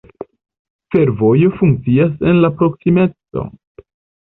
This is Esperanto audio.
Fervojo funkcias en la proksimeco.